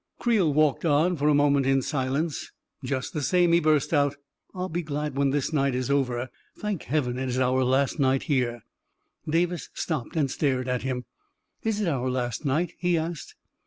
Creel walked on for a moment in silence. " Just the same," he burst out, " I'll be glad when this night is over ! Thank heaven, it's our last night here !" Davis stopped and stared at him. " Is it our last night? " he asked.